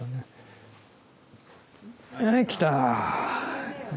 はい来た！